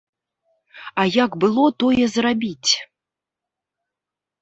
А як было тое зрабіць?